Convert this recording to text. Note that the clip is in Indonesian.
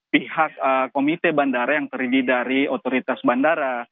pihak komite bandara yang terdiri dari otoritas bandara